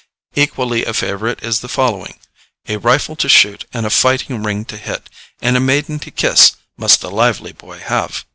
Equally a favorite is the following: A rifle to shoot, And a fighting ring to hit, And a maiden to kiss, Must a lively boy have.